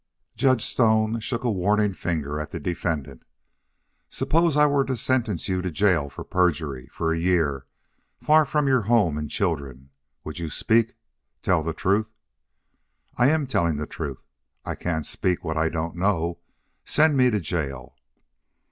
Judge Stone shook a warning finger at the defendant. "Suppose I were to sentence you to jail for perjury? For a year? Far from your home and children! Would you speak tell the truth?" "I am telling the truth. I can't speak what I don't know.... Send me to jail."